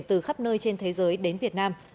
từ khắp nơi trên thế giới đến việt nam